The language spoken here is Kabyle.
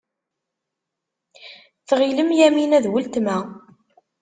Tɣilem Yamina d weltma.